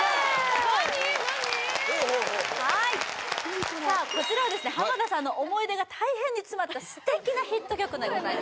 はいさあこちらはですね浜田さんの思い出が大変に詰まったステキなヒット曲でございます